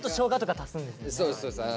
そうですそうです。